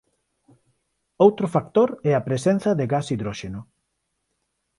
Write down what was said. Outro factor é a presenza de gas hidróxeno.